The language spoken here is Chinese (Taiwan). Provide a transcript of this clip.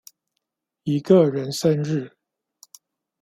一個人生日